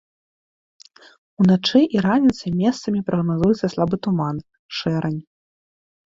Уначы і раніцай месцамі прагназуецца слабы туман, шэрань.